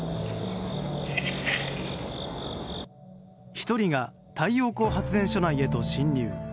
１人が太陽光発電所内へと侵入。